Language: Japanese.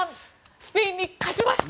スペインに勝ちました！